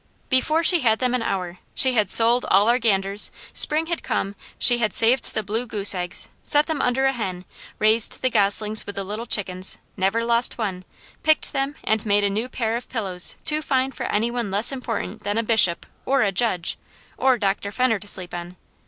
Before she had them an hour, she had sold all our ganders; spring had come, she had saved the blue goose eggs, set them under a hen, raised the goslings with the little chickens, never lost one, picked them and made a new pair of pillows too fine for any one less important than a bishop, or a judge, or Dr. Fenner to sleep on.